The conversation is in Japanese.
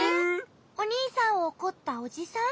おにいさんをおこったおじさん？